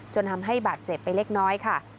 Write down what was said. จนทำให้บาดเจ็บไปเล็กน้อยค่ะ